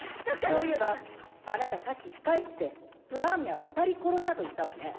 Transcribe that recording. そういえばあなたさっき控室でプラーミャは２人殺したと言ったわね。